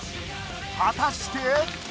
果たして？